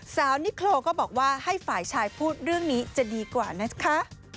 สาวนิโครก็บอกว่าให้ฝ่ายชายพูดเรื่องนี้จะดีกว่านะคะ